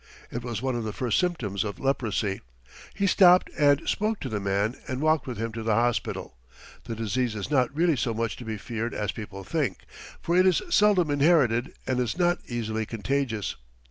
It was one of the first symptoms of leprosy. He stopped and spoke to the man and walked with him to the hospital. The disease is not really so much to be feared as people think, for it is seldom inherited and is not easily contagious.